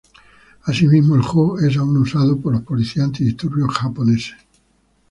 Asimismo el "Jo", es aún usado por la policía antidisturbios japonesa.